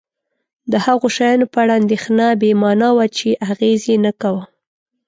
د هغو شیانو په اړه اندېښنه بې مانا وه چې اغېز یې نه کاوه.